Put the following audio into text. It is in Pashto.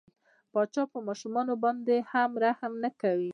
پاچا په ماشومان باندې هم رحم نه کوي.